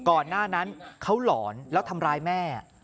ก่อนหน้านั้นเขาหลอนแล้วทำร้ายแม่